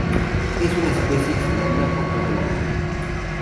Es una especie extendida por todo el mundo.